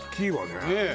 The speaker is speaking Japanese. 「ねえ！」